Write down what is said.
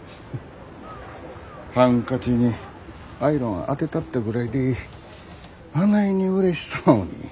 ハンカチにアイロンあてたったぐらいであないにうれしそうに。